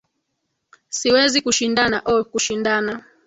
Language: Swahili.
Siwezi kushindana, oh kushindana